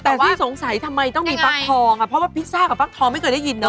แต่ว่าสงสัยทำไมต้องมีฟักทองอ่ะเพราะว่าพิซซ่ากับฟักทองไม่เคยได้ยินนะ